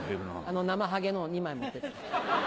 あのなまはげのを２枚持ってって。